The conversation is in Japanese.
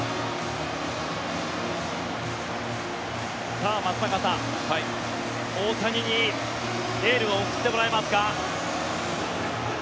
さあ松坂さん、大谷にエールを送ってもらえますか。